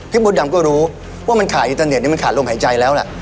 มดดำก็รู้ว่ามันขาดอินเตอร์เน็ตมันขาดลมหายใจแล้วล่ะ